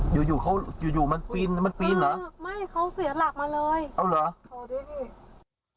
อยู่อยู่เขาอยู่อยู่มันปีนมันปีนเหรอไม่เขาเสียหลักมาเลยเอาเหรอโทรดิพี่